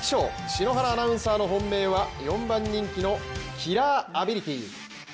篠原アナウンサーの本命は４番人気のキラーアビリティ。